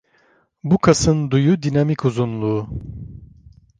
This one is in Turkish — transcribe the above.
Bu kasın duyu dinamik uzunluğu.